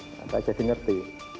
saya tidak ingin mengerti